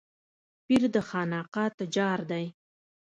پير د خانقاه تجار دی.